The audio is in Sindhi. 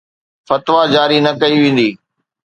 فتويٰ جاري نه ڪئي ويندي